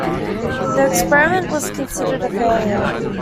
The experiment was considered a failure.